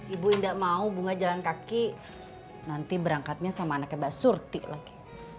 ibu indah mau bunga jalan kaki nanti berangkatnya sama anaknya mbak surti lagi